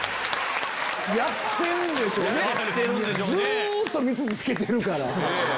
ずっと見続けてるから。